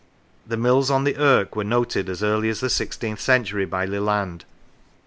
The mills on the Irk were noted as early as the sixteenth century by Leland.